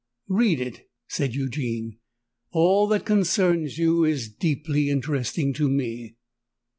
"Read it," said Eugene: "all that concerns you is deeply interesting to me."